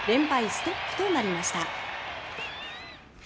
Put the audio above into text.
ストップとなりました。